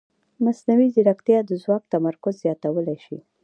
مصنوعي ځیرکتیا د ځواک تمرکز زیاتولی شي.